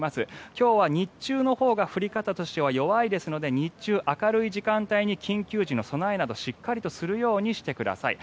今日は日中のほうが降り方としては弱いですので日中、明るい時間帯に緊急時の備えなどしっかりとするようにしてください。